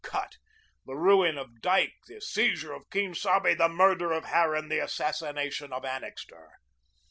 cut," the ruin of Dyke, the seizure of Quien Sabe, the murder of Harran, the assassination of Annixter!